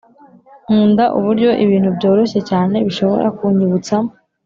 nkunda uburyo ibintu byoroshye cyane bishobora kunyibutsa